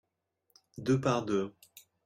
deux par deux.